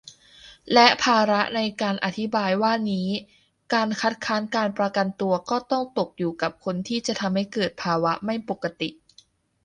และภาระในการอธิบายว่านี้ การ "คัดค้านการประกันตัว" ก็ต้องตกอยู่กับคนที่จะทำให้เกิดภาวะไม่ปกติ